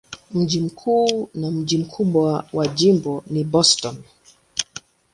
Mji mkuu na mji mkubwa wa jimbo ni Boston.